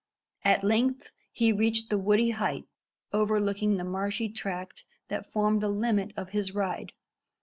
At length he reached the woody height overlooking the marshy tract that formed the limit of his ride.